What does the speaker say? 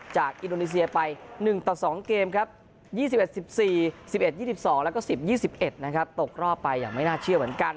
อินโดนีเซียไป๑ต่อ๒เกมครับ๒๑๑๔๑๑๒๒แล้วก็๑๐๒๑นะครับตกรอบไปอย่างไม่น่าเชื่อเหมือนกัน